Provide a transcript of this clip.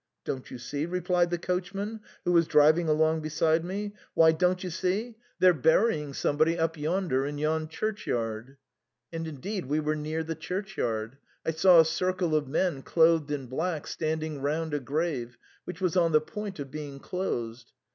Don't you see ?" replied the coachman, who was driving along beside me, "why, don't you see? they're burying THE CREMONA VIOLIN. 17 somebody up yonder in yon churchyard." And indeed we were near the churchyard ; I saw a circle of men clothed in black standing round a grave, which was on the point of being closed.